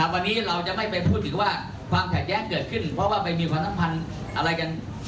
วันนี้เราจะไม่ไปพูดถึงว่าความขัดแย้งเกิดขึ้นเพราะว่าไปมีความสัมพันธ์อะไรกัน